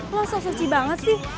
lo seseci banget sih